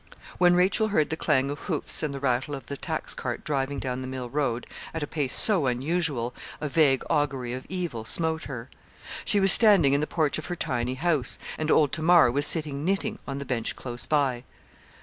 When Rachel heard the clang of hoofs and the rattle of the tax cart driving down the mill road, at a pace so unusual, a vague augury of evil smote her. She was standing in the porch of her tiny house, and old Tamar was sitting knitting on the bench close by.